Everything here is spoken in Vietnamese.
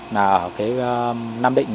là cái nam định